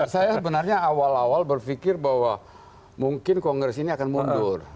saya sebenarnya awal awal berpikir bahwa mungkin kongres ini akan mundur